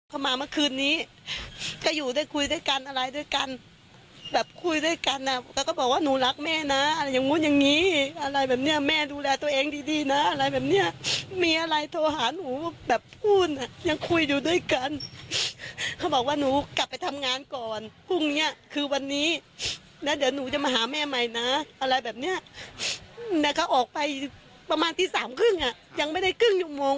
เขามาเมื่อคืนนี้ก็อยู่ได้คุยด้วยกันอะไรด้วยกันแบบคุยด้วยกันอ่ะแล้วก็บอกว่าหนูรักแม่นะอะไรอย่างนู้นอย่างนี้อะไรแบบเนี้ยแม่ดูแลตัวเองดีดีนะอะไรแบบเนี้ยมีอะไรโทรหาหนูแบบพูดอ่ะยังคุยอยู่ด้วยกันเขาบอกว่าหนูกลับไปทำงานก่อนพรุ่งเนี้ยคือวันนี้แล้วเดี๋ยวหนูจะมาหาแม่ใหม่นะอะไรแบบเนี้ยแต่เขาออกไปประมาณตีสามครึ่งอ่ะยังไม่ได้ครึ่งชั่วโมง